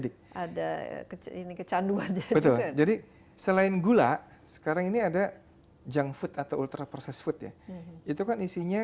kecanduan jadi selain gula sekarang ini ada junk food atau ultra processed food ya itu kan isinya